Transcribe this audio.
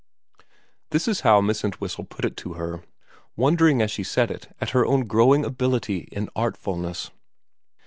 This is how Miss Entwhistle put it to her, wondering as she said it at her own growing ability in artfulness.